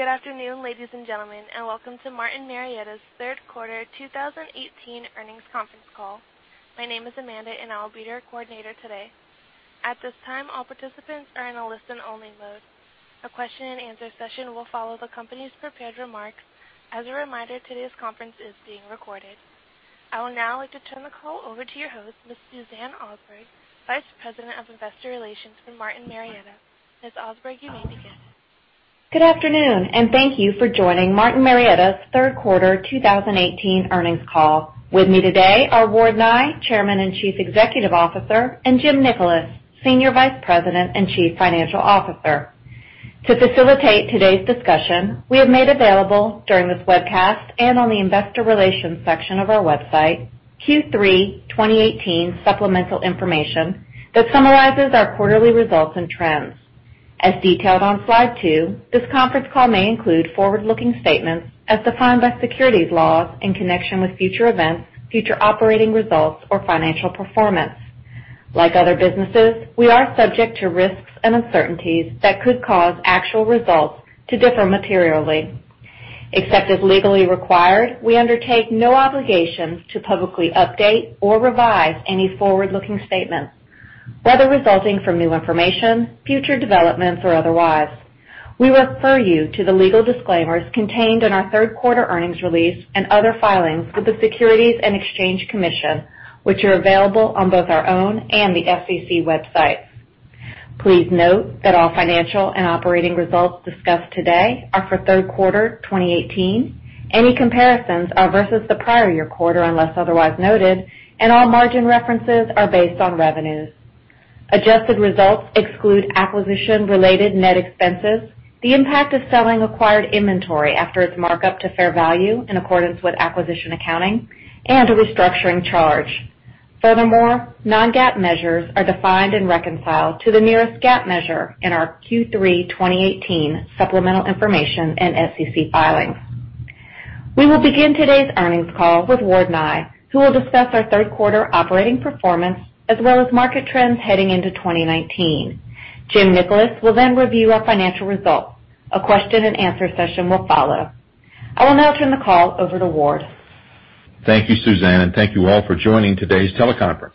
Good afternoon, ladies and gentlemen, and welcome to Martin Marietta's third quarter 2018 earnings conference call. My name is Amanda, and I'll be your coordinator today. At this time, all participants are in a listen-only mode. A question-and-answer session will follow the company's prepared remarks. As a reminder, today's conference is being recorded. I will now like to turn the call over to your host, Ms. Suzanne Osberg, Vice President of Investor Relations for Martin Marietta. Ms. Osberg, you may begin. Good afternoon, and thank you for joining Martin Marietta's third quarter 2018 earnings call. With me today are Ward Nye, Chairman and Chief Executive Officer, and Jim Nickolas, Senior Vice President and Chief Financial Officer. To facilitate today's discussion, we have made available during this webcast and on the Investor Relations section of our website Q3 2018 supplemental information that summarizes our quarterly results and trends. As detailed on slide two, this conference call may include forward-looking statements as defined by securities laws in connection with future events, future operating results, or financial performance. Like other businesses, we are subject to risks and uncertainties that could cause actual results to differ materially. Except as legally required, we undertake no obligations to publicly update or revise any forward-looking statements, whether resulting from new information, future developments, or otherwise. We refer you to the legal disclaimers contained in our third quarter earnings release and other filings with the Securities and Exchange Commission, which are available on both our own and the SEC website. Please note that all financial and operating results discussed today are for third quarter 2018. Any comparisons are versus the prior year quarter, unless otherwise noted, and all margin references are based on revenues. Adjusted results exclude acquisition-related net expenses, the impact of selling acquired inventory after its markup to fair value in accordance with acquisition accounting, and a restructuring charge. Non-GAAP measures are defined and reconciled to the nearest GAAP measure in our Q3 2018 supplemental information and SEC filings. We will begin today's earnings call with Ward Nye, who will discuss our third quarter operating performance, as well as market trends heading into 2019. Jim Nickolas will review our financial results. A question-and-answer session will follow. I will now turn the call over to Ward. Thank you, Suzanne, and thank you all for joining today's teleconference.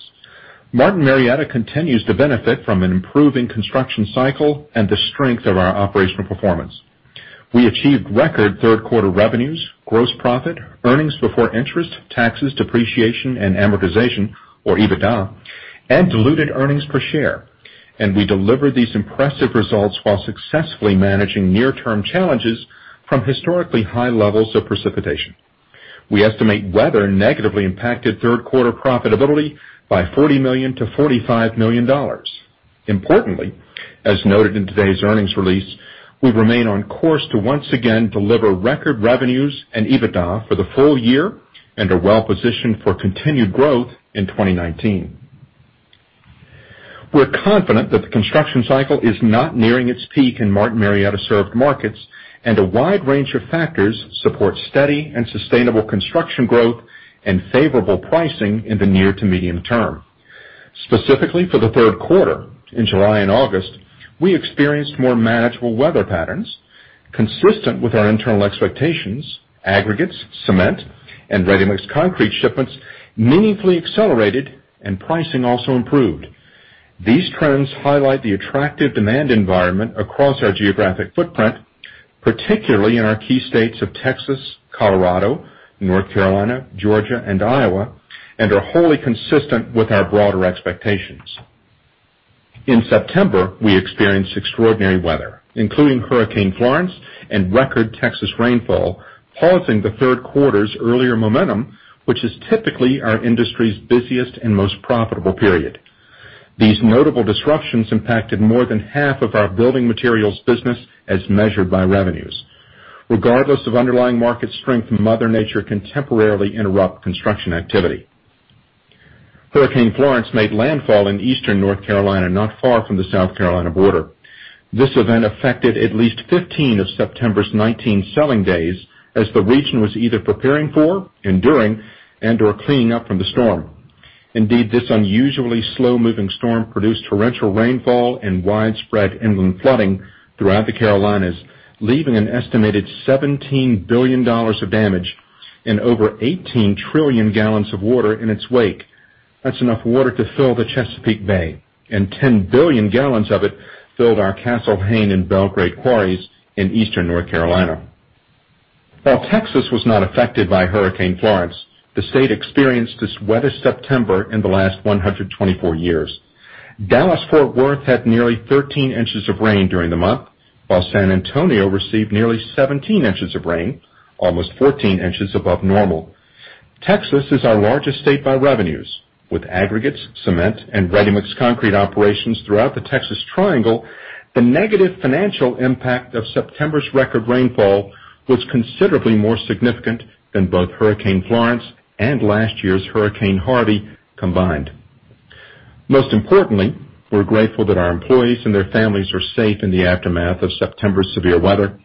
Martin Marietta continues to benefit from an improving construction cycle and the strength of our operational performance. We achieved record third quarter revenues, gross profit, earnings before interest, taxes, depreciation, and amortization, or EBITDA, and diluted earnings per share. We delivered these impressive results while successfully managing near-term challenges from historically high levels of precipitation. We estimate weather negatively impacted third quarter profitability by $40 million-$45 million. Importantly, as noted in today's earnings release, we remain on course to once again deliver record revenues and EBITDA for the full year and are well-positioned for continued growth in 2019. A wide range of factors support steady and sustainable construction growth and favorable pricing in the near to medium term. Specifically for the third quarter, in July and August, we experienced more manageable weather patterns. Consistent with our internal expectations, aggregates, cement, and ready-mix concrete shipments meaningfully accelerated. Pricing also improved. These trends highlight the attractive demand environment across our geographic footprint, particularly in our key states of Texas, Colorado, North Carolina, Georgia, and Iowa. They are wholly consistent with our broader expectations. In September, we experienced extraordinary weather, including Hurricane Florence and record Texas rainfall, pausing the third quarter's earlier momentum, which is typically our industry's busiest and most profitable period. These notable disruptions impacted more than half of our building materials business as measured by revenues. Regardless of underlying market strength, Mother Nature can temporarily interrupt construction activity. Hurricane Florence made landfall in Eastern North Carolina, not far from the South Carolina border. This event affected at least 15 of September's 19 selling days as the region was either preparing for, enduring, and/or cleaning up from the storm. Indeed, this unusually slow-moving storm produced torrential rainfall and widespread inland flooding throughout the Carolinas, leaving an estimated $17 billion of damage and over 18 trillion gallons of water in its wake. That's enough water to fill the Chesapeake Bay. 10 billion gallons of it filled our Castle Hayne and Belgrade quarries in Eastern North Carolina. While Texas was not affected by Hurricane Florence, the state experienced its wettest September in the last 124 years. Dallas-Fort Worth had nearly 13 in of rain during the month, while San Antonio received nearly 17 in of rain, almost 14 in above normal. Texas is our largest state by revenues. With aggregates, cement, and ready-mix concrete operations throughout the Texas triangle, the negative financial impact of September's record rainfall was considerably more significant than both Hurricane Florence and last year's Hurricane Harvey combined. Most importantly, we're grateful that our employees and their families are safe in the aftermath of September's severe weather.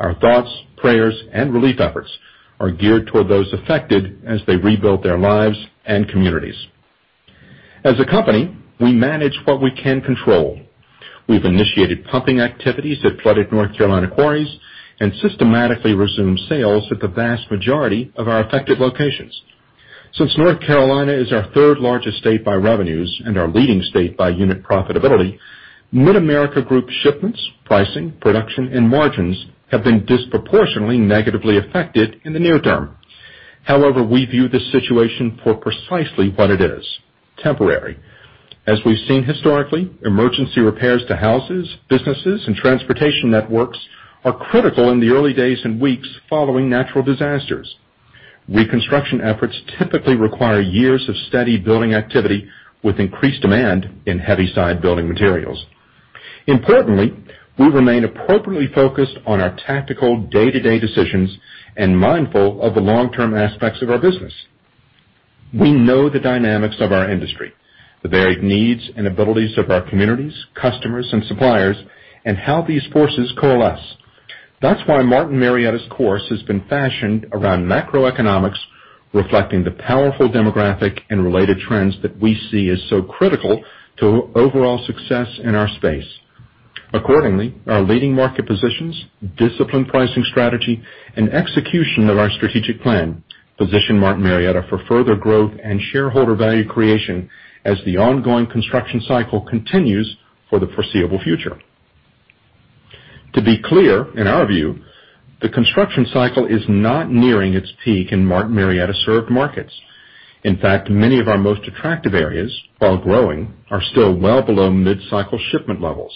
Our thoughts, prayers, and relief efforts are geared toward those affected as they rebuild their lives and communities. As a company, we manage what we can control. We've initiated pumping activities that flooded North Carolina quarries and systematically resumed sales at the vast majority of our affected locations. Since North Carolina is our third largest state by revenues and our leading state by unit profitability, Mid-America Group shipments, pricing, production, and margins have been disproportionately negatively affected in the near term. We view this situation for precisely what it is, temporary. As we've seen historically, emergency repairs to houses, businesses, and transportation networks are critical in the early days and weeks following natural disasters. Reconstruction efforts typically require years of steady building activity with increased demand in heavy side building materials. Importantly, we remain appropriately focused on our tactical day-to-day decisions and mindful of the long-term aspects of our business. We know the dynamics of our industry, the varied needs and abilities of our communities, customers, and suppliers, and how these forces coalesce. That's why Martin Marietta's course has been fashioned around macroeconomics, reflecting the powerful demographic and related trends that we see as so critical to overall success in our space. Accordingly, our leading market positions, disciplined pricing strategy, and execution of our strategic plan position Martin Marietta for further growth and shareholder value creation as the ongoing construction cycle continues for the foreseeable future. To be clear, in our view, the construction cycle is not nearing its peak in Martin Marietta served markets. Many of our most attractive areas, while growing, are still well below mid-cycle shipment levels.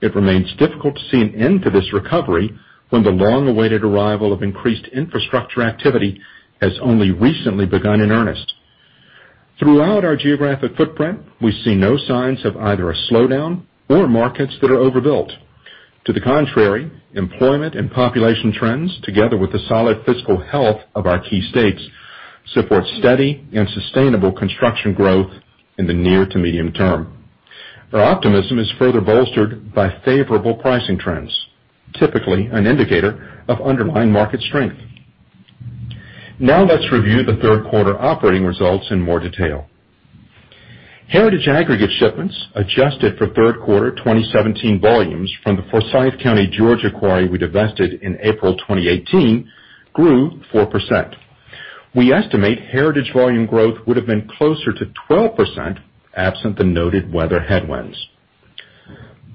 It remains difficult to see an end to this recovery when the long-awaited arrival of increased infrastructure activity has only recently begun in earnest. Throughout our geographic footprint, we see no signs of either a slowdown or markets that are overbuilt. To the contrary, employment and population trends, together with the solid fiscal health of our key states, support steady and sustainable construction growth in the near to medium term. Our optimism is further bolstered by favorable pricing trends, typically an indicator of underlying market strength. Let's review the third quarter operating results in more detail. Heritage aggregate shipments adjusted for third quarter 2017 volumes from the Forsyth County, Georgia quarry we divested in April 2018 grew 4%. We estimate heritage volume growth would've been closer to 12%, absent the noted weather headwinds.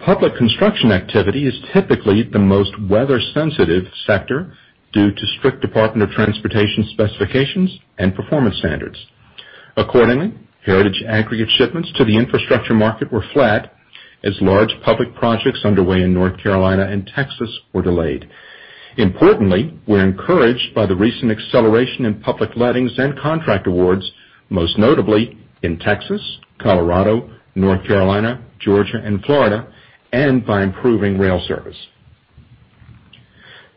Public construction activity is typically the most weather sensitive sector due to strict Department of Transportation specifications and performance standards. Heritage aggregate shipments to the infrastructure market were flat as large public projects underway in North Carolina and Texas were delayed. We're encouraged by the recent acceleration in public lettings and contract awards, most notably in Texas, Colorado, North Carolina, Georgia, and Florida, and by improving rail service.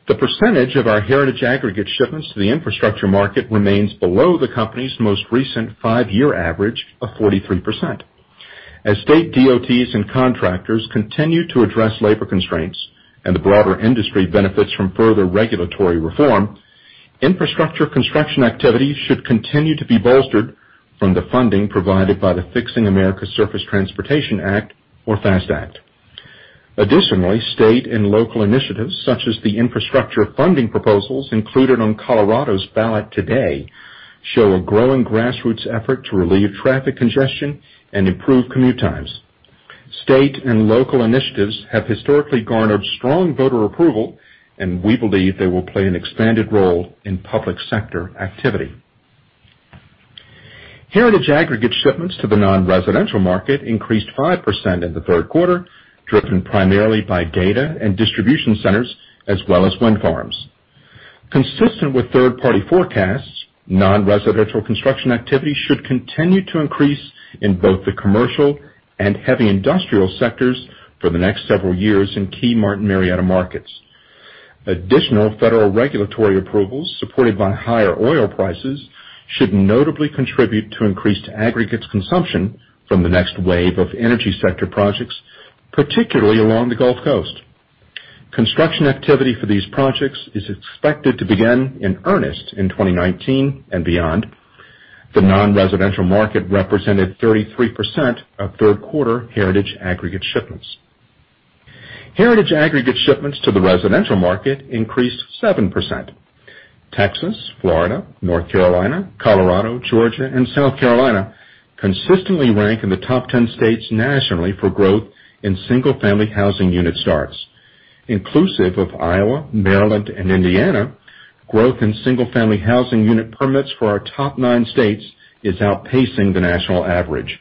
The percentage of our heritage aggregate shipments to the infrastructure market remains below the company's most recent five-year average of 43%. State DOTs and contractors continue to address labor constraints and the broader industry benefits from further regulatory reform, infrastructure construction activities should continue to be bolstered from the funding provided by the Fixing America's Surface Transportation Act, or FAST Act. State and local initiatives, such as the infrastructure funding proposals included on Colorado's ballot today, show a growing grassroots effort to relieve traffic congestion and improve commute times. State and local initiatives have historically garnered strong voter approval, and we believe they will play an expanded role in public sector activity. Heritage aggregate shipments to the non-residential market increased 5% in the third quarter, driven primarily by data and distribution centers, as well as wind farms. Consistent with third-party forecasts, non-residential construction activity should continue to increase in both the commercial and heavy industrial sectors for the next several years in key Martin Marietta markets. Additional federal regulatory approvals supported by higher oil prices should notably contribute to increased aggregates consumption from the next wave of energy sector projects, particularly along the Gulf Coast. Construction activity for these projects is expected to begin in earnest in 2019 and beyond. The non-residential market represented 33% of third quarter heritage aggregate shipments. Heritage aggregate shipments to the residential market increased 7%. Texas, Florida, North Carolina, Colorado, Georgia, and South Carolina consistently rank in the top 10 states nationally for growth in single-family housing unit starts. Inclusive of Iowa, Maryland, and Indiana, growth in single-family housing unit permits for our top nine states is outpacing the national average.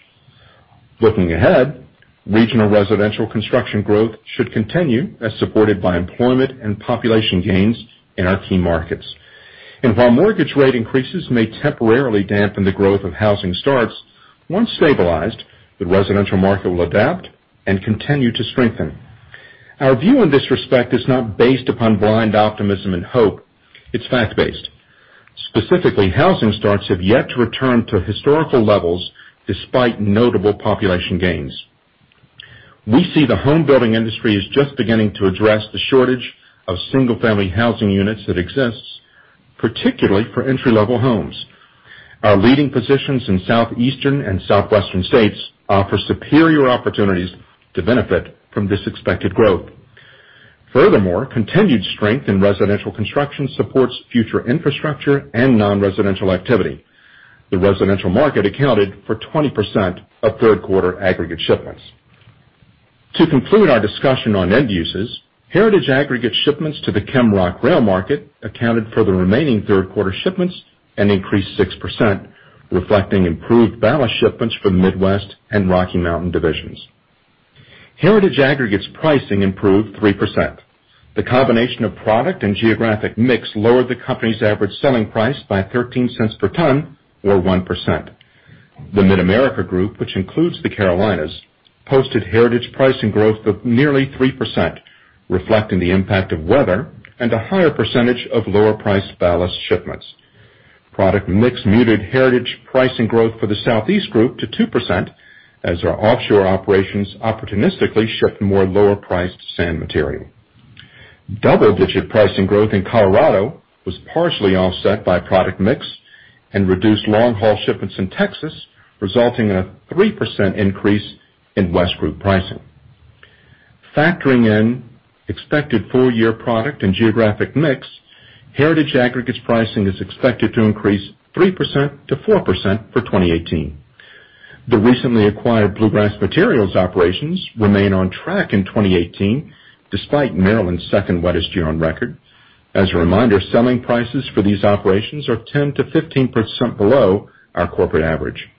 Looking ahead, regional residential construction growth should continue as supported by employment and population gains in our key markets. While mortgage rate increases may temporarily dampen the growth of housing starts, once stabilized, the residential market will adapt and continue to strengthen. Our view in this respect is not based upon blind optimism and hope. It's fact-based. Specifically, housing starts have yet to return to historical levels despite notable population gains. We see the home building industry is just beginning to address the shortage of single-family housing units that exists, particularly for entry-level homes. Our leading positions in Southeastern and Southwestern states offer superior opportunities to benefit from this expected growth. Furthermore, continued strength in residential construction supports future infrastructure and non-residential activity. The residential market accounted for 20% of third quarter aggregate shipments. To conclude our discussion on end uses, heritage aggregate shipments to the ChemRock/Rail market accounted for the remaining third quarter shipments and increased 6%, reflecting improved ballast shipments from Midwest and Rocky Mountain divisions. Heritage aggregates pricing improved 3%. The combination of product and geographic mix lowered the company's average selling price by $0.13 per ton, or 1%. The Mid-America Group, which includes the Carolinas, posted heritage pricing growth of nearly 3%, reflecting the impact of weather and a higher percentage of lower priced ballast shipments. Product mix muted heritage pricing growth for the Southeast Group to 2% as our offshore operations opportunistically shipped more lower priced sand material. Double-digit pricing growth in Colorado was partially offset by product mix and reduced long-haul shipments in Texas, resulting in a 3% increase in West Group pricing. Factoring in expected full-year product and geographic mix, heritage aggregates pricing is expected to increase 3%-4% for 2018. The recently acquired Bluegrass Materials operations remain on track in 2018, despite Maryland's second wettest year on record. As a reminder, selling prices for these operations are 10%-15% below our corporate average.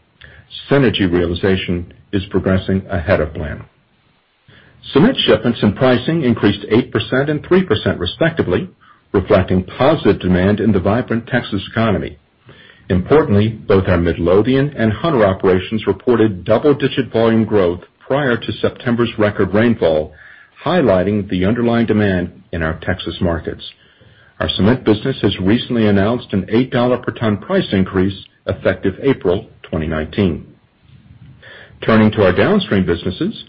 Synergy realization is progressing ahead of plan. Cement shipments and pricing increased 8% and 3% respectively, reflecting positive demand in the vibrant Texas economy. Importantly, both our Midlothian and Hunter operations reported double-digit volume growth prior to September's record rainfall, highlighting the underlying demand in our Texas markets. Our cement business has recently announced an $8 per ton price increase effective April 2019. Turning to our downstream businesses,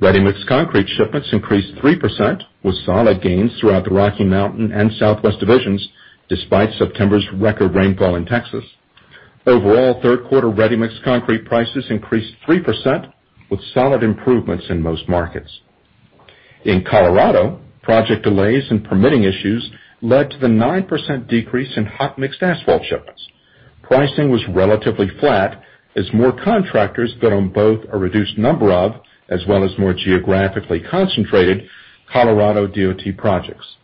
ready-mix concrete shipments increased 3% with solid gains throughout the Rocky Mountain and Southwest divisions, despite September's record rainfall in Texas. Overall, third quarter ready-mix concrete prices increased 3%, with solid improvements in most markets. In Colorado, project delays and permitting issues led to the 9% decrease in hot mix asphalt shipments. Pricing was relatively flat as more contractors bid on both a reduced number of, as well as more geographically concentrated Colorado DOT projects.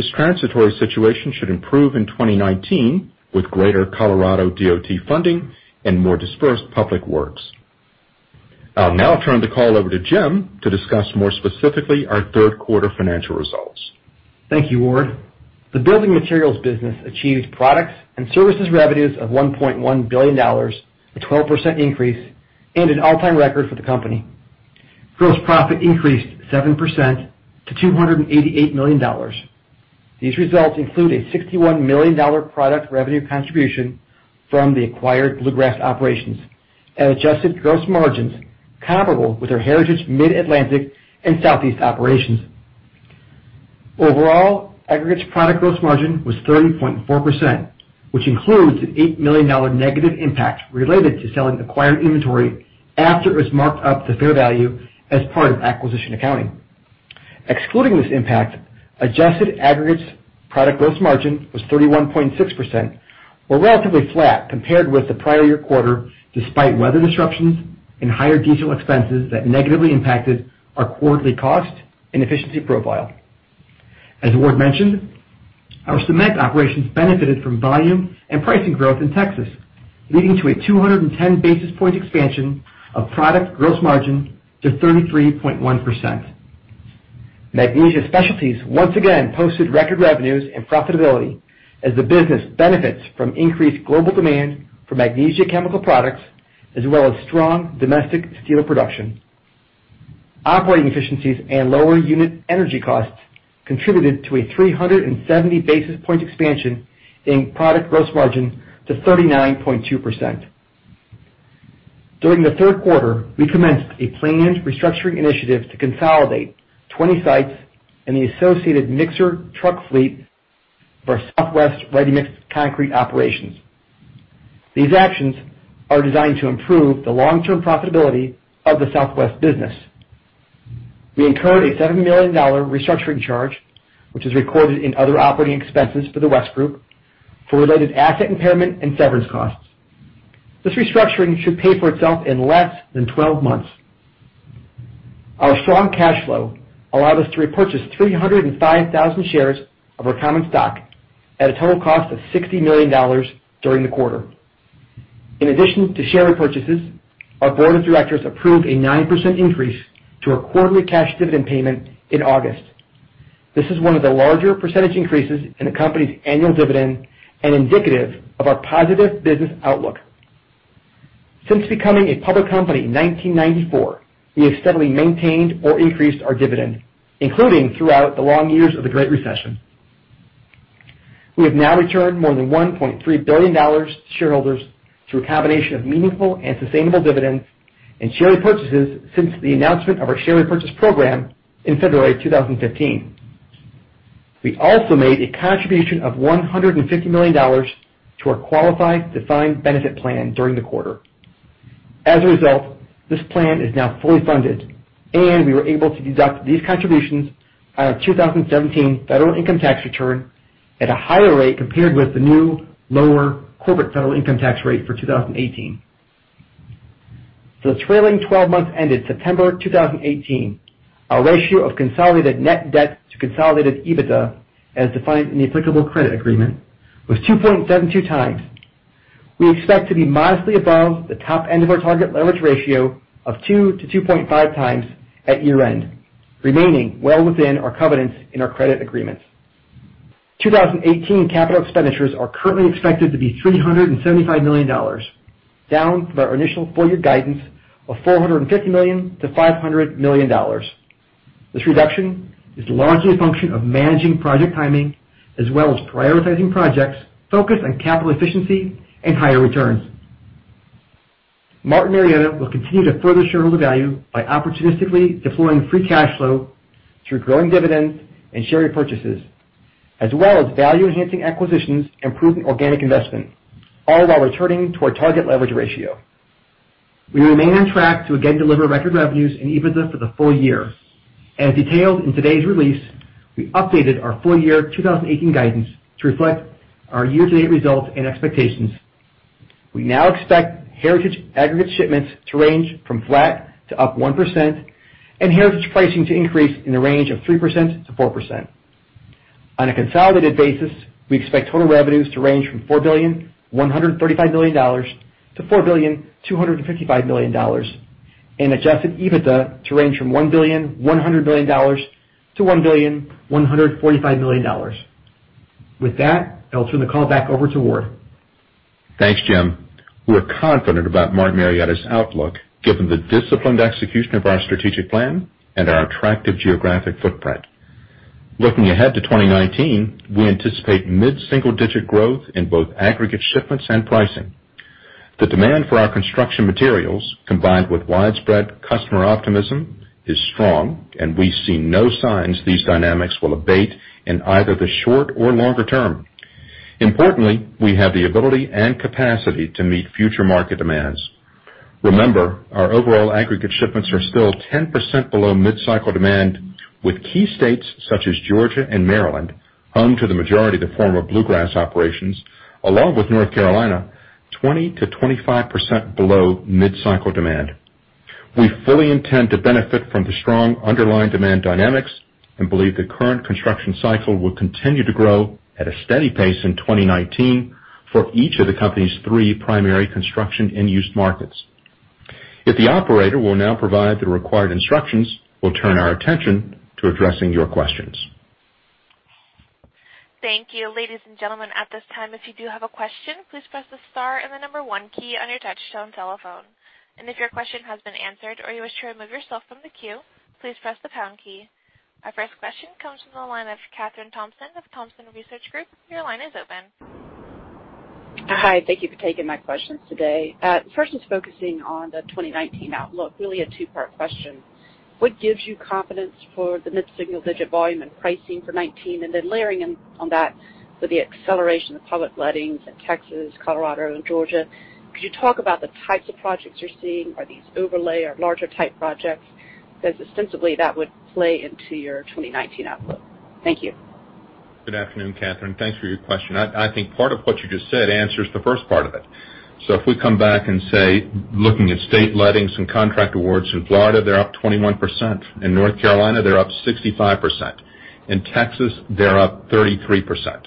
This transitory situation should improve in 2019 with greater Colorado DOT funding and more dispersed public works. I'll now turn the call over to Jim to discuss more specifically our third quarter financial results. Thank you, Ward. The building materials business achieved products and services revenues of $1.1 billion, a 12% increase, and an all-time record for the company. Gross profit increased 7% to $288 million. These results include a $61 million product revenue contribution from the acquired Bluegrass operations and adjusted gross margins comparable with our heritage Mid-Atlantic and Southeast operations. Overall, aggregates product gross margin was 30.4%, which includes an $8 million negative impact related to selling acquired inventory after it was marked up to fair value as part of acquisition accounting. Excluding this impact, adjusted aggregates product gross margin was 31.6%, or relatively flat compared with the prior year quarter, despite weather disruptions and higher diesel expenses that negatively impacted our quarterly cost and efficiency profile. As Ward mentioned, our cement operations benefited from volume and pricing growth in Texas, leading to a 210 basis point expansion of product gross margin to 33.1%. Magnesia Specialties once again posted record revenues and profitability as the business benefits from increased global demand for magnesia chemical products, as well as strong domestic steel production. Operating efficiencies and lower unit energy costs contributed to a 370 basis point expansion in product gross margin to 39.2%. During the third quarter, we commenced a planned restructuring initiative to consolidate 20 sites and the associated mixer truck fleet for our Southwest ready-mix concrete operations. These actions are designed to improve the long-term profitability of the Southwest business. We incurred a $7 million restructuring charge, which is recorded in other operating expenses for the West Group for related asset impairment and severance costs. This restructuring should pay for itself in less than 12 months. Our strong cash flow allowed us to repurchase 305,000 shares of our common stock at a total cost of $60 million during the quarter. In addition to share repurchases, our board of directors approved a 9% increase to our quarterly cash dividend payment in August. This is one of the larger percentage increases in the company's annual dividend and indicative of our positive business outlook. Since becoming a public company in 1994, we have steadily maintained or increased our dividend, including throughout the long years of the Great Recession. We have now returned more than $1.3 billion to shareholders through a combination of meaningful and sustainable dividends and share repurchases since the announcement of our share repurchase program in February 2015. We also made a contribution of $150 million to our qualified defined benefit plan during the quarter. As a result, this plan is now fully funded. We were able to deduct these contributions on our 2017 federal income tax return at a higher rate compared with the new lower corporate federal income tax rate for 2018. For the trailing 12 months ended September 2018, our ratio of consolidated net debt to consolidated EBITDA, as defined in the applicable credit agreement, was 2.72x. We expect to be modestly above the top end of our target leverage ratio of 2x-2.5x at year-end, remaining well within our covenants in our credit agreements. 2018 capital expenditures are currently expected to be $375 million, down from our initial full year guidance of $450 million-$500 million. This reduction is largely a function of managing project timing as well as prioritizing projects focused on capital efficiency and higher returns. Martin Marietta will continue to further shareholder value by opportunistically deploying free cash flow through growing dividends and share repurchases, as well as value-enhancing acquisitions, improving organic investment, all while returning to our target leverage ratio. We remain on track to again deliver record revenues and EBITDA for the full year. As detailed in today's release, we updated our full year 2018 guidance to reflect our year-to-date results and expectations. We now expect heritage aggregate shipments to range from flat to up 1% and heritage pricing to increase in the range of 3%-4%. On a consolidated basis, we expect total revenues to range from $4.135 billion-$4.255 billion, and adjusted EBITDA to range from $1.1 billion-$1.145 billion. With that, I'll turn the call back over to Ward. Thanks, Jim. We're confident about Martin Marietta's outlook given the disciplined execution of our strategic plan and our attractive geographic footprint. Looking ahead to 2019, we anticipate mid-single-digit growth in both aggregate shipments and pricing. The demand for our construction materials, combined with widespread customer optimism, is strong. We see no signs these dynamics will abate in either the short or longer term. Importantly, we have the ability and capacity to meet future market demands. Remember, our overall aggregate shipments are still 10% below mid-cycle demand, with key states such as Georgia and Maryland home to the majority of the former Bluegrass operations, along with North Carolina, 20%-25% below mid-cycle demand. We fully intend to benefit from the strong underlying demand dynamics and believe the current construction cycle will continue to grow at a steady pace in 2019 for each of the company's three primary construction end-use markets. If the operator will now provide the required instructions, we'll turn our attention to addressing your questions. Thank you. Ladies and gentlemen, at this time, if you do have a question, please press the star and the one key on your touchtone telephone. If your question has been answered or you wish to remove yourself from the queue, please press the pound key. Our first question comes from the line of Kathryn Thompson of Thompson Research Group. Your line is open. Hi. Thank you for taking my questions today. First is focusing on the 2019 outlook. Really a two-part question. What gives you confidence for the mid-single-digit volume and pricing for 2019? Layering on that, with the acceleration of public lettings in Texas, Colorado, and Georgia, could you talk about the types of projects you're seeing? Are these overlay or larger type projects? Because ostensibly, that would play into your 2019 outlook. Thank you. Good afternoon, Kathryn. Thanks for your question. I think part of what you just said answers the first part of it. If we come back and say, looking at state lettings and contract awards in Florida, they're up 21%. In North Carolina, they're up 65%. In Texas, they're up 33%.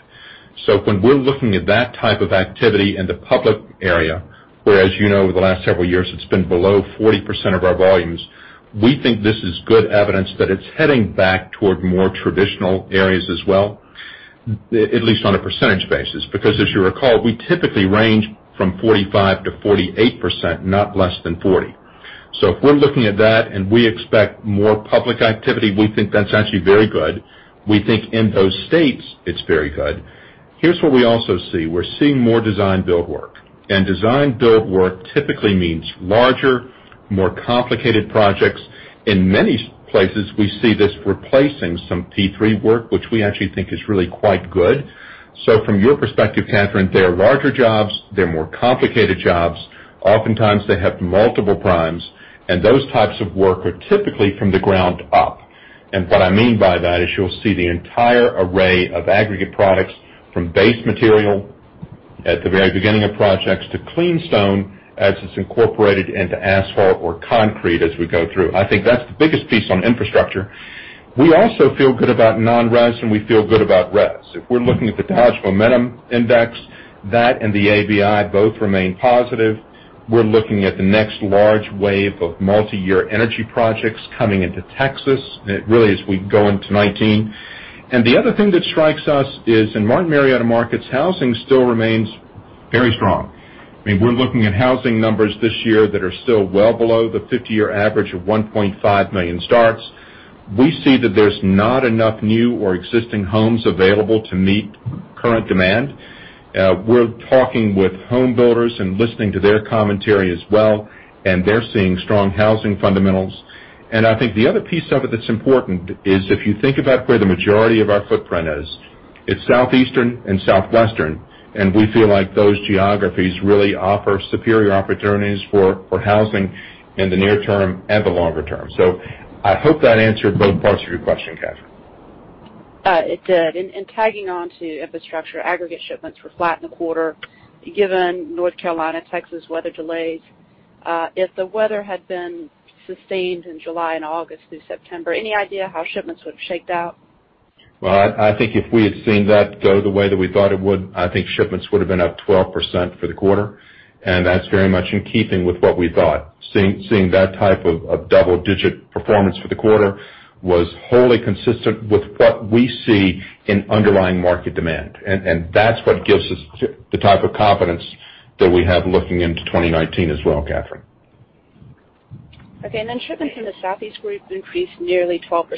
When we're looking at that type of activity in the public area, where as you know over the last several years it's been below 40% of our volumes, we think this is good evidence that it's heading back toward more traditional areas as well, at least on a percentage basis. Because as you recall, we typically range from 45%-48%, not less than 40%. If we're looking at that and we expect more public activity, we think that's actually very good. We think in those states it's very good. Here's what we also see. We're seeing more design-build work. Design-build work typically means larger, more complicated projects. In many places, we see this replacing some P3 work, which we actually think is really quite good. From your perspective, Kathryn, they are larger jobs. They're more complicated jobs. Oftentimes they have multiple primes, and those types of work are typically from the ground up. What I mean by that is you'll see the entire array of aggregate products from base material at the very beginning of projects to clean stone as it's incorporated into asphalt or concrete as we go through. I think that's the biggest piece on infrastructure. We also feel good about non-res, and we feel good about res. If we're looking at the Dodge Momentum Index, that and the ABI both remain positive. We're looking at the next large wave of multi-year energy projects coming into Texas, really as we go into 2019. The other thing that strikes us is in Martin Marietta markets, housing still remains very strong. We're looking at housing numbers this year that are still well below the 50-year average of 1.5 million starts. We see that there's not enough new or existing homes available to meet current demand. We're talking with home builders and listening to their commentary as well, and they're seeing strong housing fundamentals. I think the other piece of it that's important is if you think about where the majority of our footprint is, it's Southeastern and Southwestern, and we feel like those geographies really offer superior opportunities for housing in the near term and the longer term. I hope that answered both parts of your question, Kathryn. It did. Tagging on to infrastructure, aggregate shipments were flat in the quarter. Given North Carolina, Texas weather delays, if the weather had been sustained in July and August through September, any idea how shipments would have shaked out? I think if we had seen that go the way that we thought it would, I think shipments would have been up 12% for the quarter, that's very much in keeping with what we thought. Seeing that type of double-digit performance for the quarter was wholly consistent with what we see in underlying market demand. That's what gives us the type of confidence that we have looking into 2019 as well, Kathryn. Shipments in the Southeast Division increased nearly 12%.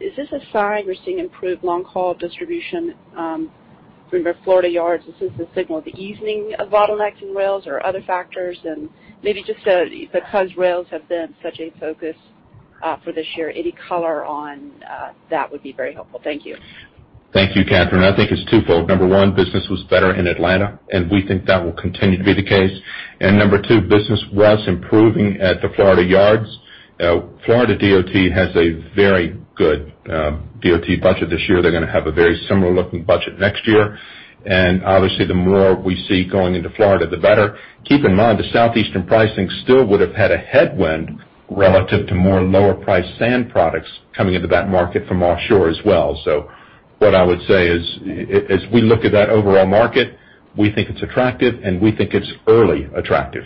Is this a sign we're seeing improved long-haul distribution from your Florida yards? Is this a signal of the easing of bottlenecked rails or other factors? Maybe just because rails have been such a focus for this year, any color on that would be very helpful. Thank you. Thank you, Kathryn. I think it's twofold. Number one, business was better in Atlanta. We think that will continue to be the case. Number two, business was improving at the Florida yards. Florida DOT has a very good DOT budget this year. They're going to have a very similar-looking budget next year. Obviously, the more we see going into Florida, the better. Keep in mind, the Southeast pricing still would have had a headwind relative to more lower priced sand products coming into that market from offshore as well. What I would say is, as we look at that overall market, we think it's attractive and we think it's early attractive.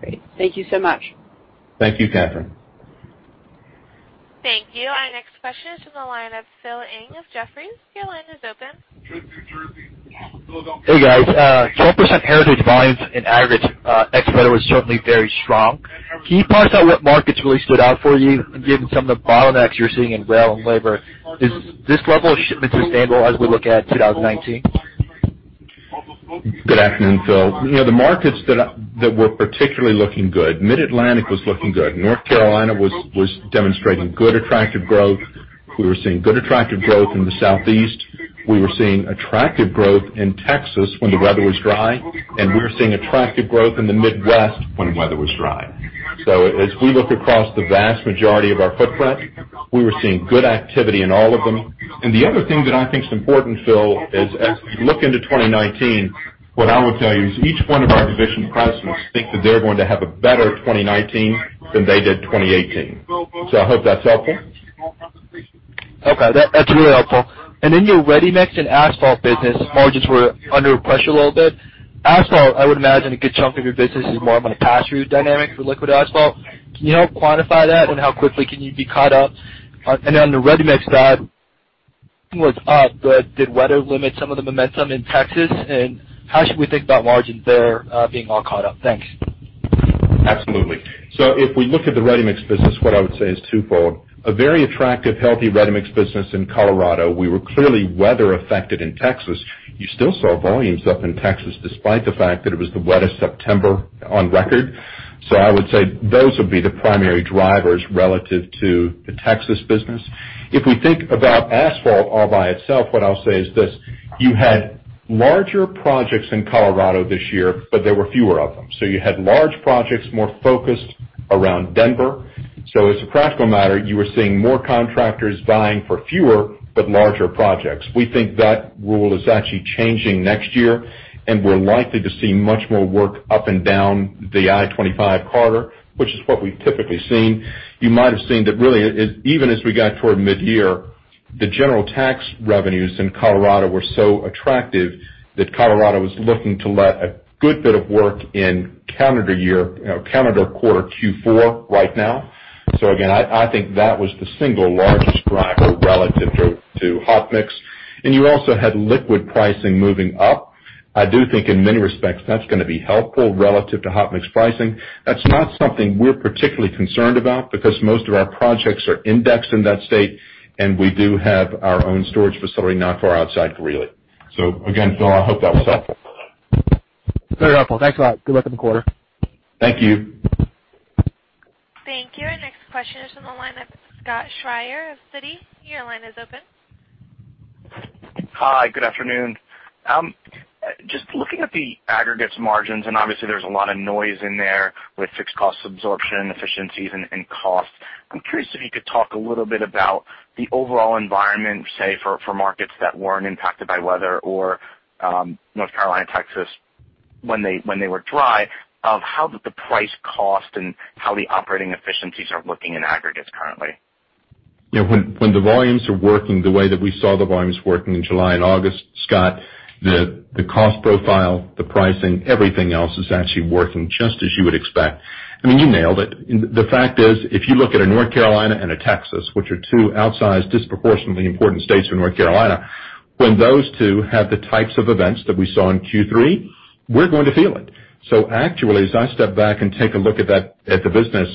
Great. Thank you so much. Thank you, Kathryn. Thank you. Our next question is from the line of Phil Ng of Jefferies. Your line is open. Hey, guys. 12% heritage volumes in aggregate ex-weather was certainly very strong. Can you parse out what markets really stood out for you given some of the bottlenecks you're seeing in rail and labor? Is this level of shipments sustainable as we look at 2019? Good afternoon, Phil. The markets that were particularly looking good, Mid-Atlantic was looking good. North Carolina was demonstrating good, attractive growth. We were seeing good, attractive growth in the Southeast. We were seeing attractive growth in Texas when the weather was dry. We were seeing attractive growth in the Midwest when the weather was dry. As we look across the vast majority of our footprint, we were seeing good activity in all of them. The other thing that I think is important, Phil, is as we look into 2019, what I would tell you is each one of our division presidents think that they're going to have a better 2019 than they did 2018. I hope that's helpful. Okay. That's really helpful. In your ready-mix and asphalt business, margins were under pressure a little bit. Asphalt, I would imagine a good chunk of your business is more of on a pass-through dynamic for liquid asphalt. Can you help quantify that? How quickly can you be caught up? On the ready-mix side, was up, but did weather limit some of the momentum in Texas? How should we think about margins there being all caught up? Thanks. Absolutely. If we look at the ready-mix business, what I would say is twofold. A very attractive, healthy ready-mix business in Colorado. We were clearly weather affected in Texas. You still saw volumes up in Texas, despite the fact that it was the wettest September on record. I would say those would be the primary drivers relative to the Texas business. If we think about asphalt all by itself, what I'll say is this, you had larger projects in Colorado this year, but there were fewer of them. You had large projects, more focused around Denver. As a practical matter, you were seeing more contractors vying for fewer but larger projects. We think that rule is actually changing next year, and we're likely to see much more work up and down the I-25 corridor, which is what we've typically seen. You might have seen that really, even as we got toward mid-year, the general tax revenues in Colorado were so attractive that Colorado was looking to let a good bit of work in calendar quarter Q4 right now. Again, I think that was the single largest driver relative to hot mix. You also had liquid pricing moving up. I do think in many respects, that's going to be helpful relative to hot mix pricing. That's not something we're particularly concerned about because most of our projects are indexed in that state, and we do have our own storage facility not far outside Greeley. Again, Phil, I hope that was helpful. Very helpful. Thanks a lot. Good luck with the quarter. Thank you. Thank you. Our next question is from the line of Scott Schrier of Citi. Your line is open. Hi, good afternoon. Just looking at the aggregates margins, obviously there's a lot of noise in there with fixed cost absorption, efficiencies, and cost. I'm curious if you could talk a little bit about the overall environment, say, for markets that weren't impacted by weather or North Carolina, Texas, when they were dry, of how the price, cost, and how the operating efficiencies are looking in aggregates currently. When the volumes are working the way that we saw the volumes working in July and August, Scott, the cost profile, the pricing, everything else is actually working just as you would expect. I mean, you nailed it. The fact is, if you look at a North Carolina and a Texas, which are two outsized, disproportionately important states from North Carolina, when those two have the types of events that we saw in Q3, we're going to feel it. Actually, as I step back and take a look at the business,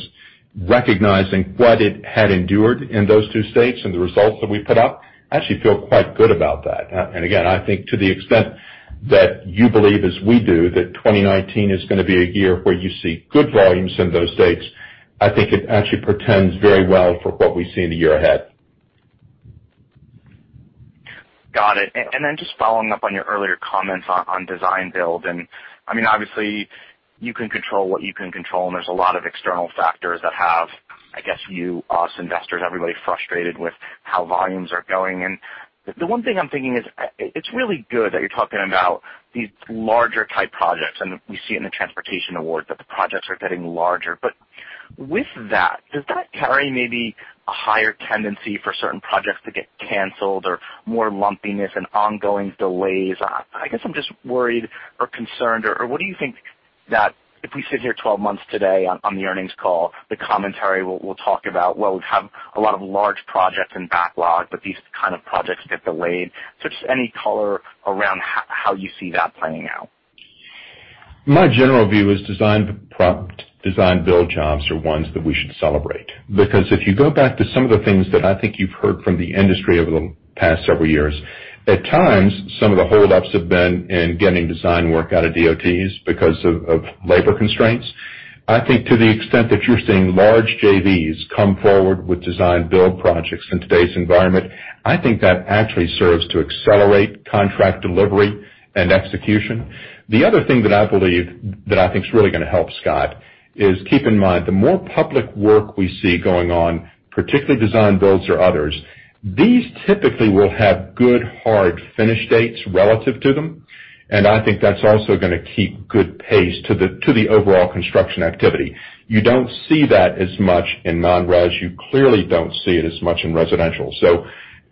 recognizing what it had endured in those two states and the results that we put up, I actually feel quite good about that. Again, I think to the extent that you believe, as we do, that 2019 is going to be a year where you see good volumes in those states, I think it actually portends very well for what we see in the year ahead. Got it. Then just following up on your earlier comments on design-build. Obviously, you can control what you can control, there's a lot of external factors that have, I guess, you, us, investors, everybody frustrated with how volumes are going. The one thing I'm thinking is, it's really good that you're talking about these larger type projects, we see it in the transportation awards, that the projects are getting larger. With that, does that carry maybe a higher tendency for certain projects to get canceled or more lumpiness and ongoing delays? I guess I'm just worried or concerned. What do you think that if we sit here 12 months today on the earnings call, the commentary we'll talk about, well, we've had a lot of large projects in backlog, but these kind of projects get delayed. Just any color around how you see that playing out. My general view is design-build jobs are ones that we should celebrate. Because if you go back to some of the things that I think you've heard from the industry over the past several years, at times, some of the holdups have been in getting design work out of DOTs because of labor constraints. I think to the extent that you're seeing large JVs come forward with design-build projects in today's environment, I think that actually serves to accelerate contract delivery and execution. The other thing that I believe that I think is really going to help, Scott, is keep in mind, the more public work we see going on, particularly design-builds or others, these typically will have good, hard finish dates relative to them, and I think that's also going to keep good pace to the overall construction activity. You don't see that as much in non-res. You clearly don't see it as much in residential.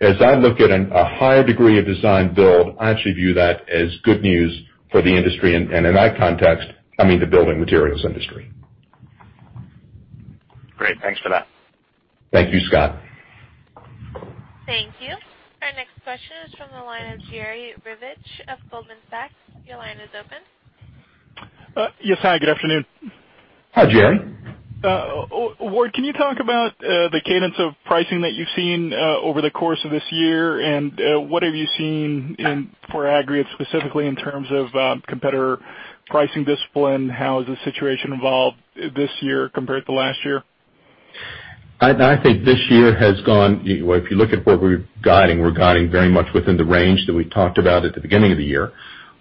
As I look at a higher degree of design-build, I actually view that as good news for the industry, and in that context, I mean the building materials industry. Great. Thanks for that. Thank you, Scott. Thank you. Our next question is from the line of Jerry Revich of Goldman Sachs. Your line is open. Yes. Hi, good afternoon. Hi, Jerry. Ward, can you talk about the cadence of pricing that you've seen over the course of this year, and what have you seen for aggregates specifically in terms of competitor pricing discipline? How has the situation evolved this year compared to last year? I think this year has gone, if you look at what we're guiding, we're guiding very much within the range that we talked about at the beginning of the year.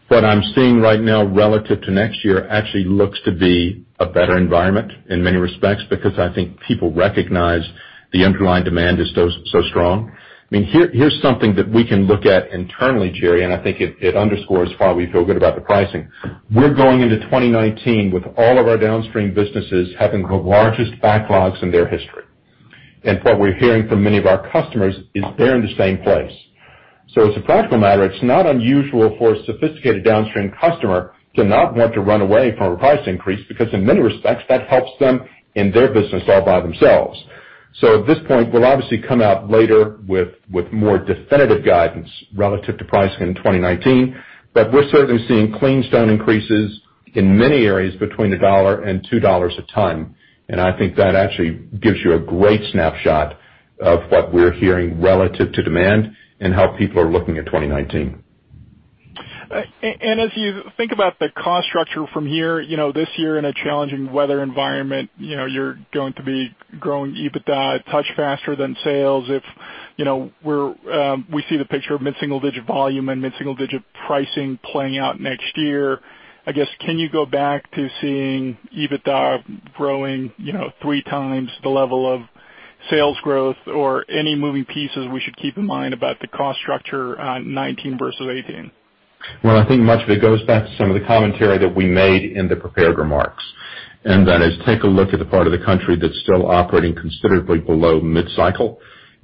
What I'm seeing right now relative to next year actually looks to be a better environment in many respects because I think people recognize the underlying demand is so strong. I mean, here's something that we can look at internally, Jerry, and I think it underscores why we feel good about the pricing. We're going into 2019 with all of our downstream businesses having the largest backlogs in their history. What we're hearing from many of our customers is they're in the same place. As a practical matter, it's not unusual for a sophisticated downstream customer to not want to run away from a price increase because in many respects, that helps them in their business all by themselves. At this point, we'll obviously come out later with more definitive guidance relative to pricing in 2019. We're certainly seeing clean stone increases in many areas between $1 and $2 a ton, and I think that actually gives you a great snapshot of what we're hearing relative to demand and how people are looking at 2019. As you think about the cost structure from here, this year in a challenging weather environment, you're going to be growing EBITDA a touch faster than sales. If we see the picture of mid-single-digit volume and mid-single-digit pricing playing out next year, I guess, can you go back to seeing EBITDA growing 3x the level of sales growth or any moving pieces we should keep in mind about the cost structure on 2019 versus 2018? I think much of it goes back to some of the commentary that we made in the prepared remarks, and that is take a look at the part of the country that's still operating considerably below mid-cycle.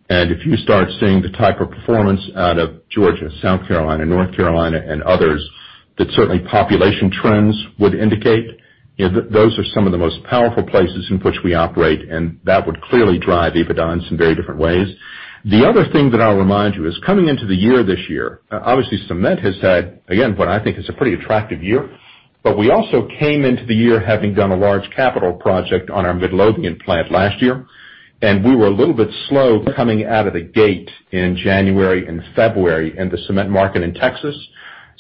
If you start seeing the type of performance out of Georgia, South Carolina, North Carolina, and others, that certainly population trends would indicate, those are some of the most powerful places in which we operate, and that would clearly drive EBITDA in some very different ways. The other thing that I'll remind you is coming into the year this year, obviously cement has had, again, what I think is a pretty attractive year. We also came into the year having done a large capital project on our Midlothian plant last year, and we were a little bit slow coming out of the gate in January and February in the cement market in Texas.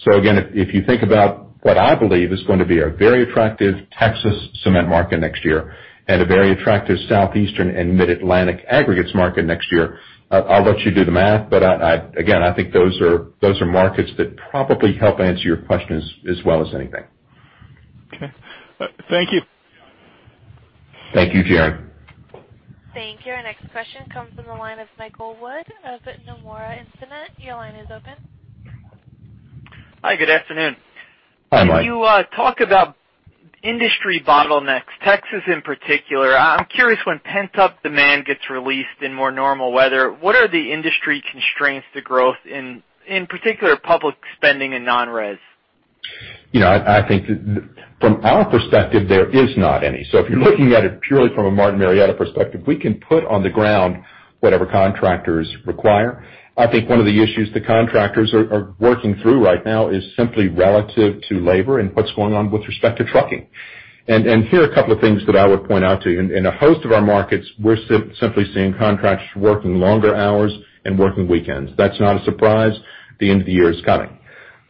Again, if you think about what I believe is going to be a very attractive Texas cement market next year and a very attractive Southeastern and Mid-Atlantic aggregates market next year, I'll let you do the math, but again, I think those are markets that probably help answer your question as well as anything. Okay. Thank you. Thank you, Jerry. Thank you. Our next question comes from the line of Michael Wood of Nomura Instinet. Your line is open. Hi, good afternoon. Hi, Mike. Can you talk about industry bottlenecks, Texas in particular? I'm curious when pent-up demand gets released in more normal weather, what are the industry constraints to growth, in particular, public spending and non-res? I think from our perspective, there is not any. If you're looking at it purely from a Martin Marietta perspective, we can put on the ground whatever contractors require. I think one of the issues the contractors are working through right now is simply relative to labor and what's going on with respect to trucking. Here are a couple of things that I would point out to you. In a host of our markets, we're simply seeing contractors working longer hours and working weekends. That's not a surprise. The end of the year is coming.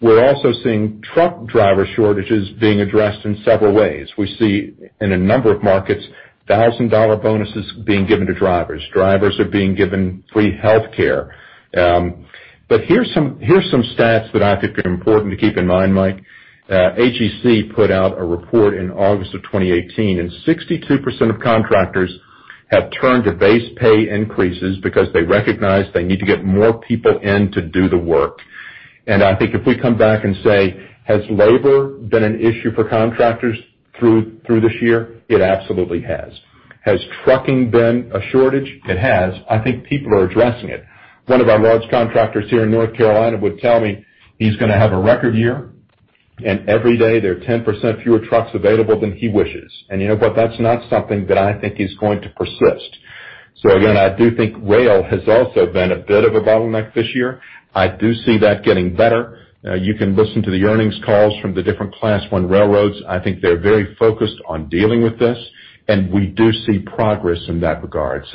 We're also seeing truck driver shortages being addressed in several ways. We see in a number of markets, $1,000 bonuses being given to drivers. Drivers are being given free healthcare. Here's some stats that I think are important to keep in mind, Mike. AGC put out a report in August of 2018, 62% of contractors have turned to base pay increases because they recognize they need to get more people in to do the work. I think if we come back and say, has labor been an issue for contractors through this year? It absolutely has. Has trucking been a shortage? It has. I think people are addressing it. One of our large contractors here in North Carolina would tell me he's going to have a record year, and every day there are 10% fewer trucks available than he wishes. That's not something that I think is going to persist. Again, I do think rail has also been a bit of a bottleneck this year. I do see that getting better. You can listen to the earnings calls from the different Class 1 railroads. I think they're very focused on dealing with this, we do see progress in that regard.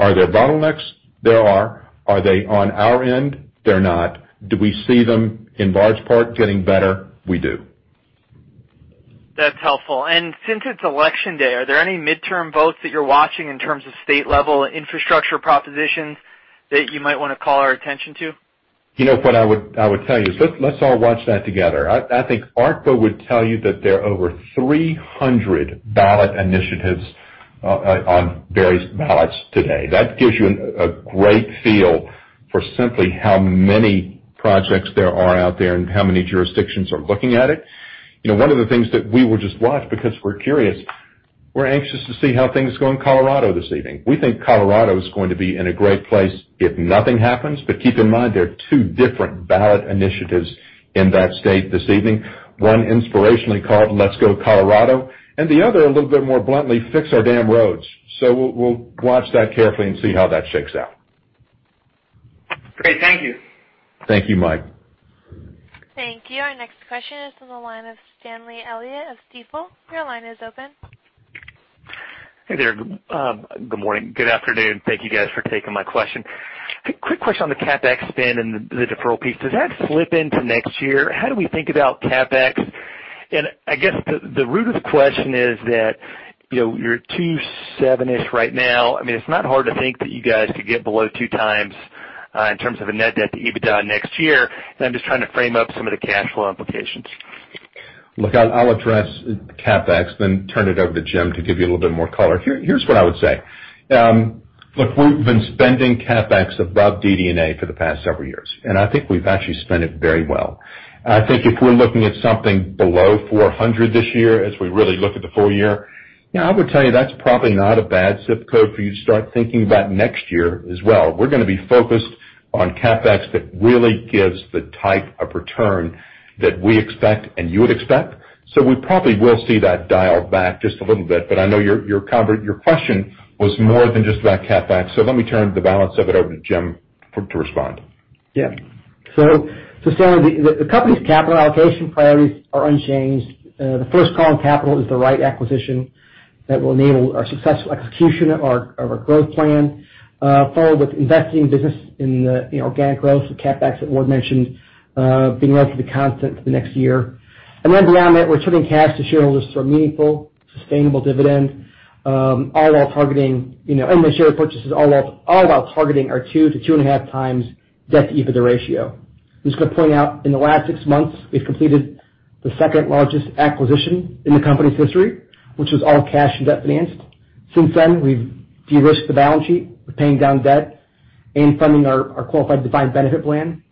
Are there bottlenecks? There are. Are they on our end? They're not. Do we see them, in large part, getting better? We do. That's helpful. Since it's Election Day, are there any midterm votes that you're watching in terms of state-level infrastructure propositions that you might want to call our attention to? What I would tell you is, let's all watch that together. I think ARTBA would tell you that there are over 300 ballot initiatives on various ballots today. That gives you a great feel for simply how many projects there are out there and how many jurisdictions are looking at it. One of the things that we will just watch because we're curious, we're anxious to see how things go in Colorado this evening. We think Colorado is going to be in a great place if nothing happens. Keep in mind, there are two different ballot initiatives in that state this evening. One inspirationally called Let's Go Colorado, and the other a little bit more bluntly, Fix Our Damn Roads. We'll watch that carefully and see how that shakes out. Great. Thank you. Thank you, Mike. Thank you. Our next question is from the line of Stanley Elliott of Stifel. Your line is open. Hey there. Good morning. Good afternoon. Thank you guys for taking my question. Quick question on the CapEx spend and the deferral piece. Does that slip into next year? How do we think about CapEx? I guess the root of the question is that, you're 2.7x-ish right now. It's not hard to think that you guys could get below 2x in terms of a net debt to EBITDA next year, I'm just trying to frame up some of the cash flow implications. Look, I'll address CapEx, then turn it over to Jim to give you a little bit more color. Here's what I would say. Look, we've been spending CapEx above DD&A for the past several years, I think we've actually spent it very well. I think if we're looking at something below $400 this year as we really look at the full year, I would tell you that's probably not a bad ZIP code for you to start thinking about next year as well. We're going to be focused on CapEx that really gives the type of return that we expect and you would expect. We probably will see that dial back just a little bit, I know your question was more than just about CapEx. Let me turn the balance of it over to Jim to respond. Yeah. Stanley, the company's capital allocation priorities are unchanged. The first call on capital is the right acquisition that will enable our successful execution of our growth plan, followed with investing business in the organic growth, the CapEx that Ward mentioned being relatively constant for the next year. Beyond that, we're returning cash to shareholders for a meaningful, sustainable dividend and the share purchases all while targeting our 2x-2.5x debt-EBITDA ratio. I'm just going to point out, in the last six months, we've completed the second-largest acquisition in the company's history, which was all cash and debt-financed. Since then, we've de-risked the balance sheet. We're paying down debt and funding our qualified defined benefit plan.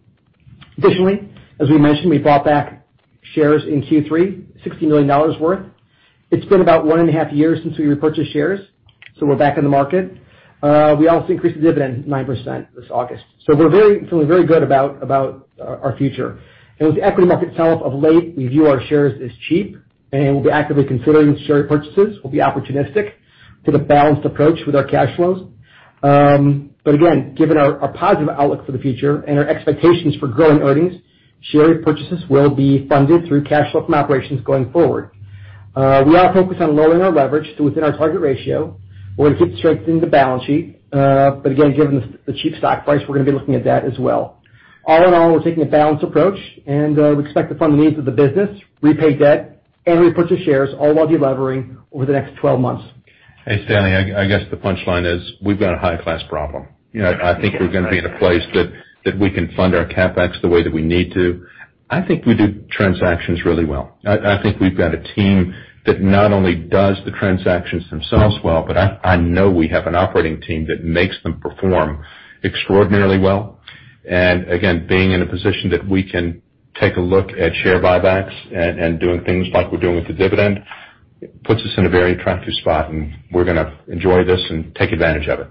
Additionally, as we mentioned, we bought back shares in Q3, $16 million worth. It's been about 1.5 years since we repurchased shares, we're back in the market. We also increased the dividend 9% this August. We're feeling very good about our future. With the equity market sell-off of late, we view our shares as cheap, we'll be actively considering share purchases. We'll be opportunistic with a balanced approach with our cash flows. Again, given our positive outlook for the future and our expectations for growing earnings, share purchases will be funded through cash flow from operations going forward. We are focused on lowering our leverage to within our target ratio. We want to keep strengthening the balance sheet. Again, given the cheap stock price, we're going to be looking at that as well. All in all, we're taking a balanced approach. We expect to fund the needs of the business, repay debt, and repurchase shares, all while de-levering over the next 12 months. Hey, Stanley, I guess the punchline is we've got a high-class problem. I think we're going to be in a place that we can fund our CapEx the way that we need to. I think we do transactions really well. I think we've got a team that not only does the transactions themselves well, but I know we have an operating team that makes them perform extraordinarily well. Again, being in a position that we can take a look at share buybacks and doing things like we're doing with the dividend, puts us in a very attractive spot, and we're going to enjoy this and take advantage of it.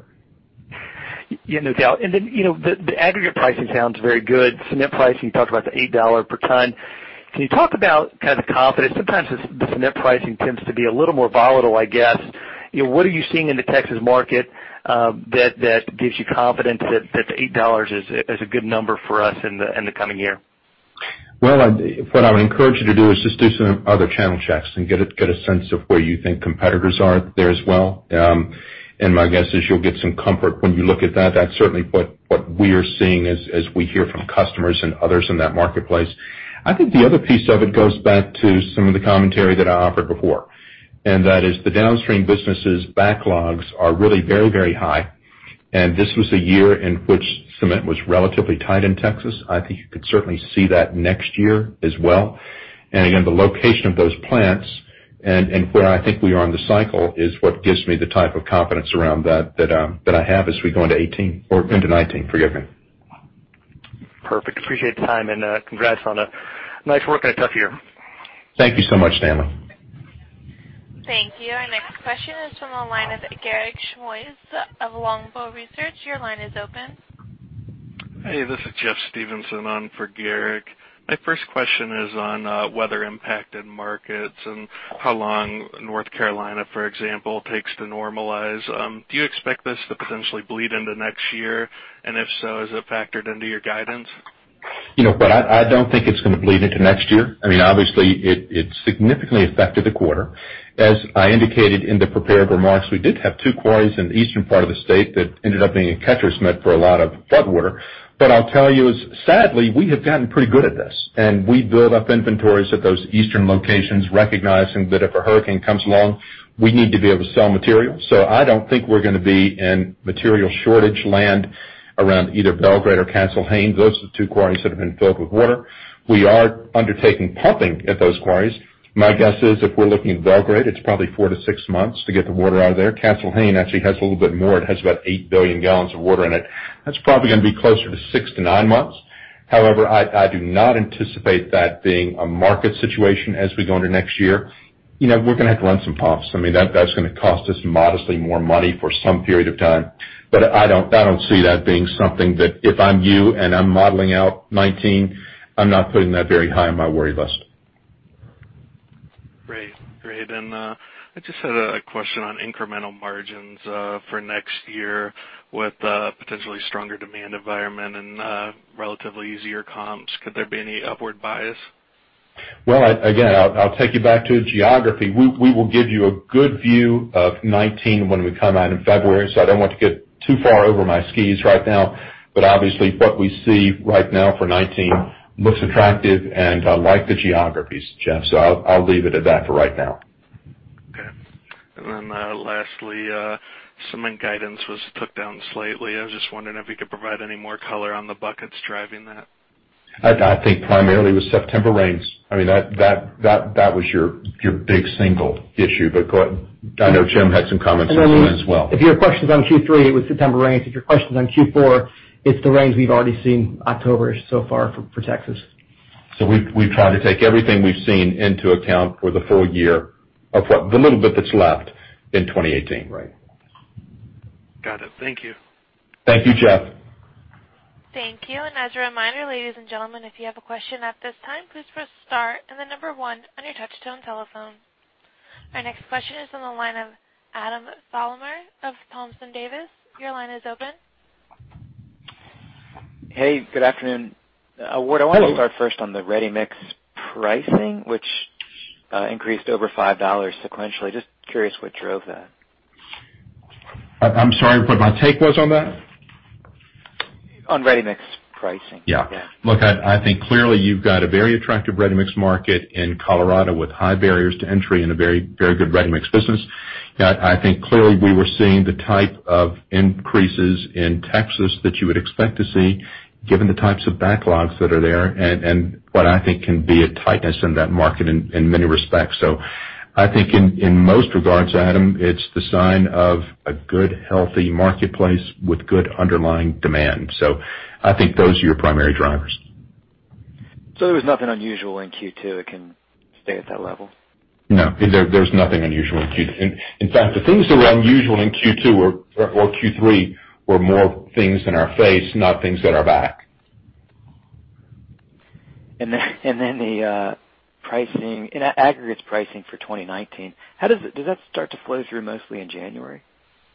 Yeah, no doubt. Then, the aggregate pricing sounds very good. Cement pricing, you talked about the $8 per ton. Can you talk about the confidence? Sometimes the cement pricing tends to be a little more volatile, I guess. What are you seeing in the Texas market that gives you confidence that the $8 is a good number for us in the coming year? Well, what I would encourage you to do is just do some other channel checks and get a sense of where you think competitors are there as well. My guess is you'll get some comfort when you look at that. That's certainly what we are seeing as we hear from customers and others in that marketplace. I think the other piece of it goes back to some of the commentary that I offered before, and that is the downstream businesses backlogs are really very, very high, and this was a year in which cement was relatively tight in Texas. I think you could certainly see that next year as well. Again, the location of those plants and where I think we are in the cycle is what gives me the type of confidence around that that I have as we go into 2018, or into 2019, forgive me. Perfect. Appreciate the time and congrats on nice work in a tough year. Thank you so much, Stanley. Thank you. Our next question is from the line of Garik Shmois of Longbow Research. Your line is open. Hey, this is Jeff Stevenson on for Garik. My first question is on weather-impacted markets and how long North Carolina, for example, takes to normalize. Do you expect this to potentially bleed into next year? If so, is it factored into your guidance? I don't think it's going to bleed into next year. Obviously, it significantly affected the quarter. As I indicated in the prepared remarks, we did have two quarries in the eastern part of the state that ended up being a catcher's mitt for a lot of floodwater. I'll tell you is, sadly, we have gotten pretty good at this, and we build up inventories at those eastern locations, recognizing that if a hurricane comes along, we need to be able to sell material. I don't think we're going to be in material shortage land around either Belgrade or Castle Hayne. Those are the two quarries that have been filled with water. We are undertaking pumping at those quarries. My guess is if we're looking at Belgrade, it's probably four to six months to get the water out of there. Castle Hayne actually has a little bit more. It has about 8 billion gallons of water in it. That's probably going to be closer to six to nine months. However, I do not anticipate that being a market situation as we go into next year. We're going to have to run some pumps. That's going to cost us modestly more money for some period of time. I don't see that being something that if I'm you and I'm modeling out 2019, I'm not putting that very high on my worry list. Great. I just had a question on incremental margins for next year with potentially stronger demand environment and relatively easier comps. Could there be any upward bias? Again, I'll take you back to geography. We will give you a good view of 2019 when we come out in February, I don't want to get too far over my skis right now. Obviously, what we see right now for 2019 looks attractive, and I like the geographies, Jeff, I'll leave it at that for right now. Okay. Lastly, cement guidance was took down slightly. I was just wondering if you could provide any more color on the buckets driving that. I think primarily it was September rains. That was your big single issue. Go ahead. I know Jim had some comments on that as well. If your question's on Q3, it was September rains. If your question's on Q4, it's the rains we've already seen October-ish so far for Texas. We've tried to take everything we've seen into account for the full year of what the little bit that's left in 2018. Got it. Thank you. Thank you, Jeff. Thank you. As a reminder, ladies and gentlemen, if you have a question at this time, please press star and the number one on your touch-tone telephone. Our next question is on the line of Adam Thalhimer of Thompson Davis. Your line is open. Hey, good afternoon. Hello. Ward, I want to start first on the ready-mix pricing, which increased over $5 sequentially. Just curious what drove that? I'm sorry, what my take was on that? On ready-mix pricing. Yeah. Look, I think clearly you've got a very attractive ready-mix market in Colorado with high barriers to entry and a very good ready-mix business. I think clearly we were seeing the type of increases in Texas that you would expect to see given the types of backlogs that are there and what I think can be a tightness in that market in many respects. I think in most regards, Adam, it's the sign of a good, healthy marketplace with good underlying demand. I think those are your primary drivers. There was nothing unusual in Q2 that can stay at that level? No. There's nothing unusual in Q2. In fact, the things that were unusual in Q2 or Q3 were more things in our face, not things at our back. The aggregates pricing for 2019, does that start to flow through mostly in January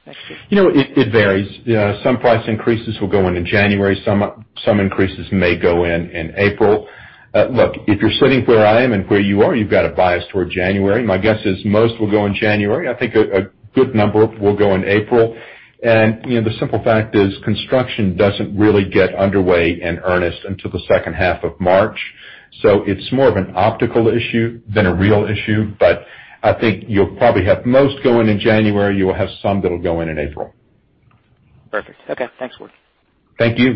next year? It varies. Some price increases will go in in January. Some increases may go in in April. Look, if you're sitting where I am and where you are, you've got a bias toward January. My guess is most will go in January. I think a good number will go in April. The simple fact is construction doesn't really get underway in earnest until the second half of March. It's more of an optical issue than a real issue, but I think you'll probably have most go in in January. You will have some that'll go in in April. Perfect. Okay. Thanks, Ward. Thank you.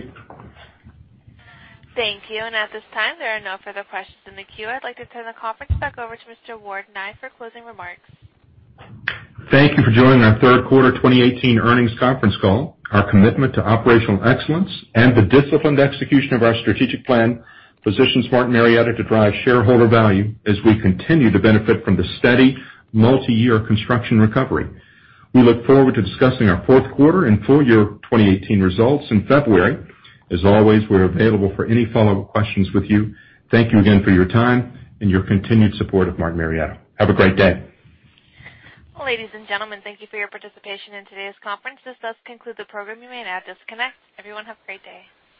Thank you. At this time, there are no further questions in the queue. I'd like to turn the conference back over to Mr. Ward Nye for closing remarks. Thank you for joining our third quarter 2018 earnings conference call. Our commitment to operational excellence and the disciplined execution of our strategic plan positions Martin Marietta to drive shareholder value as we continue to benefit from the steady multi-year construction recovery. We look forward to discussing our fourth quarter and full year 2018 results in February. As always, we're available for any follow-up questions with you. Thank you again for your time and your continued support of Martin Marietta. Have a great day. Ladies and gentlemen, thank you for your participation in today's conference. This does conclude the program. You may now disconnect. Everyone, have a great day.